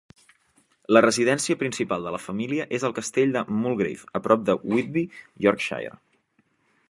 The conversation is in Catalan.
La residència principal de la família és el castell de Mulgrave a prop de Whitby, Yorkshire.